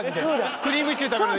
クリームシチュー食べるのに。